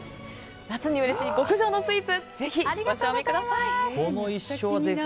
夏にうれしい極上のスイーツぜひご賞味ください。